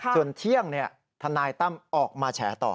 ส่วนเที่ยงทนายตั้มออกมาแฉต่อ